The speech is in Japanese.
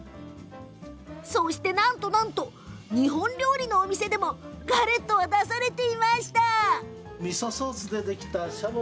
そして、なんと日本料理のお店でもガレットは出されていました。